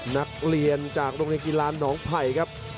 นักเรียนจากโรงเรียนกีฬาหนองไผ่ครับ